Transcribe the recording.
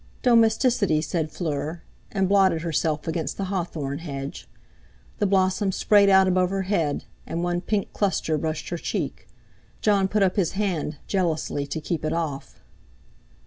"Domesticity!" said Fleur, and blotted herself against the hawthorn hedge. The blossom sprayed out above her head, and one pink cluster brushed her cheek. Jon put up his hand jealously to keep it off.